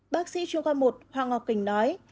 bác sĩ trung khoa một hoàng ngọc quỳnh nói